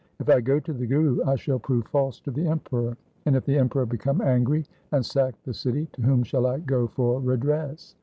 If I go to the Guru, I shall prove false to the Emperor. And if the Emperor become angry and sack the city, to whom shall I go for redress